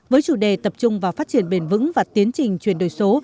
với chủ đề tập trung vào phát triển bền vững và tiến trình chuyển đổi số